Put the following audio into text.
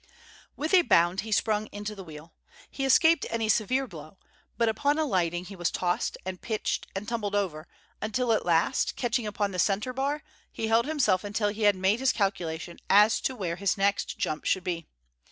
With a bound he sprung into the wheel. He escaped any severe blow, but, upon alighting he was tossed, and pitched, and tumbled over, until at last, catching upon the centre bar, he held himself until he had made his calculation as to where his next jump should be.